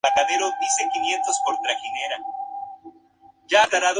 Kress nunca contrajo matrimonio ni tuvo hijos.